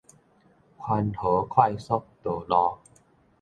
環河快速道路